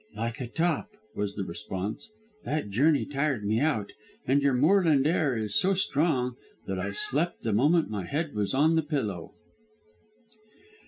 "Like a top," was the response. "That journey tired me out, and your moorland air is so strong that I slept the moment my head was on the pillow."